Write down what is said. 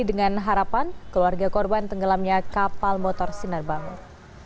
dengan harapan keluarga korban tenggelamnya kapal motor sinar bangun